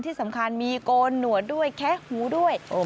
ที่สำคัญมีโกนหนวดด้วยแคะหูด้วย